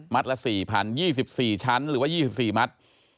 มัดละ๔๐๐๐๒๔ชั้นหรือว่า๒๔มัด